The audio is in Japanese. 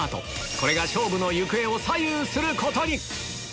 これが勝負の行方を左右することに！